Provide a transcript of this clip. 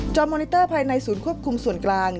มอนิเตอร์ภายในศูนย์ควบคุมส่วนกลาง